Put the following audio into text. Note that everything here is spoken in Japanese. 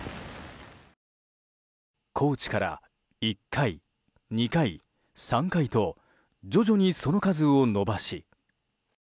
高知から１回、２回、３回と徐々にその数を伸ばし。